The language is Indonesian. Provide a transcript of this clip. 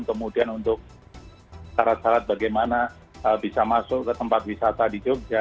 kemudian untuk syarat syarat bagaimana bisa masuk ke tempat wisata di jogja